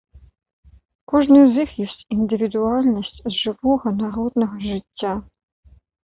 Кожны з іх ёсць індывідуальнасць з жывога народнага жыцця.